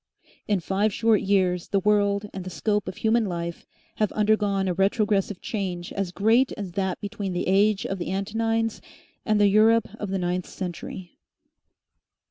In five short years the world and the scope of human life have undergone a retrogressive change as great as that between the age of the Antonines and the Europe of the ninth century....